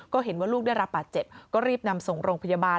ก็เห็นว่าลูกได้รับบาดเจ็บก็รีบนำส่งโรงพยาบาล